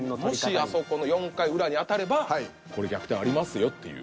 もしあそこの４回裏に当たればこれ逆転ありますよっていう。